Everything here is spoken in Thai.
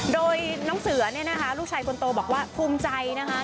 โดยน้องเสือร์ลูกชายคนโตบอกว่าภูมิใจนะคะ